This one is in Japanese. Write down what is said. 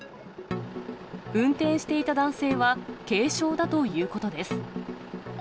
運転していた男性は軽傷だということです。